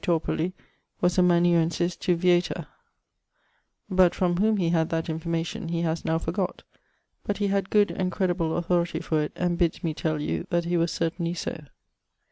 Torporley was amanuensis to Vieta; but from whom he had that information he haz now forgot, but he had good and credible authority for it, and bids me tell you that he was certainly so.